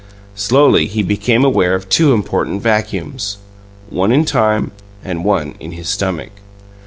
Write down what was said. Slowly he became aware of two important vacuums one in time and one in his stomach.